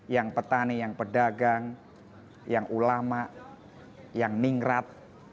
yang petani yang pedagang yang ulama yang ningrat